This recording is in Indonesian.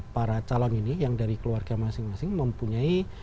para calon ini yang dari keluarga masing masing mempunyai